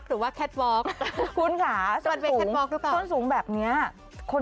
แล้วดูนะท่าทางการเดินนะคะ